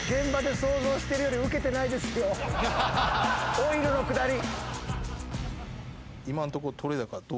オイルのくだり。